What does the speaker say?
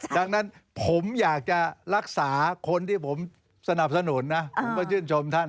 ดังนั้นผมอยากจะรักษาคนที่ผมสนับสนุนนะผมก็ชื่นชมท่าน